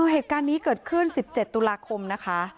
เหตุการณ์นี้เกิดขึ้น๑๗ตุลาคมนะคะ